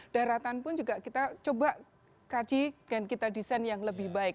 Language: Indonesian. daratan pun juga kita coba kaji dan kita desain yang lebih baik